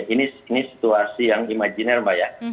ini situasi yang imajiner mbak ya